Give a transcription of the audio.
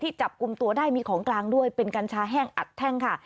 จับกลุ่มตัวได้มีของกลางด้วยเป็นกัญชาแห้งอัดแท่งค่ะ